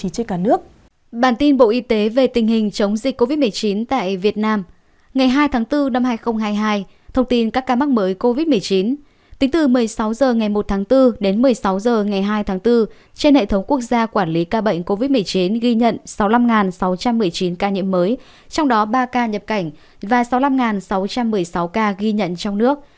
ghi nhận sáu mươi năm sáu trăm một mươi chín ca nhiễm mới trong đó ba ca nhập cảnh và sáu mươi năm sáu trăm một mươi sáu ca ghi nhận trong nước